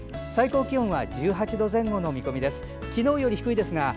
最高気温は１８度前後の見込みです。